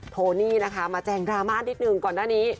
โทนี่นะคะมาแจงดราม่านิดนึงก่อนหน้านี้